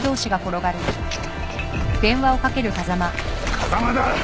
風間だ！